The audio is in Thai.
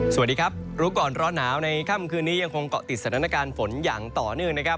สวัสดีครับรู้ก่อนร้อนหนาวในค่ำคืนนี้ยังคงเกาะติดสถานการณ์ฝนอย่างต่อเนื่องนะครับ